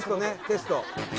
テスト